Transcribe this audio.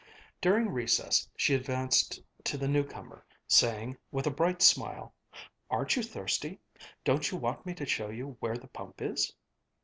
During recess she advanced to the new comer, saying, with a bright smile: "Aren't you thirsty? Don't you want me to show you where the pump is?"